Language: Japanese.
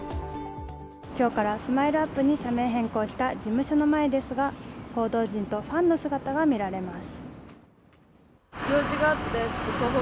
今日からＳＭＩＬＥ−ＵＰ．に社名変更した事務所の前ですが、報道陣とファンの姿が見られます。